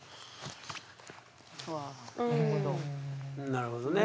なるほどね。